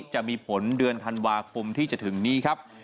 จะมีผลเดือนธันวาคมที่จะถึงนี้ครับ